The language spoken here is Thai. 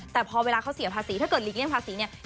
แต่พอเวลาเขาเสียภาษีถ้าเกิดหลีกเลี่ยงภาษีเนี่ย